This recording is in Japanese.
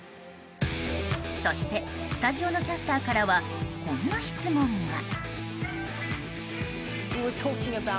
そしてスタジオのキャスターからはこんな質問が。